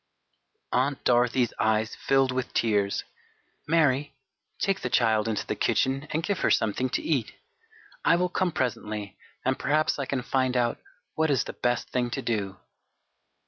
Aunt Dorothy's eyes filled with tears. "Mary, take the child into the kitchen and give her something to eat. I will come presently and perhaps I can find out what is the best thing to do."